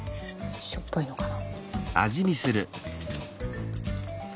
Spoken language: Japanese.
しょっぱいのかな。